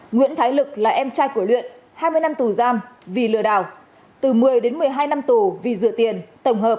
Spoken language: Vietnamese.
nguyễn thái lực là em trai của luyện hai mươi năm tù giam vì lừa đảo từ một mươi đến một mươi hai năm tù vì dựa tiền tổng hợp